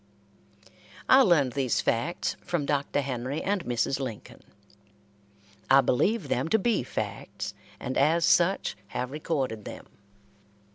I learned these facts from Dr. Henry and Mrs. Lincoln. I believe them to be facts, and as such have recorded them.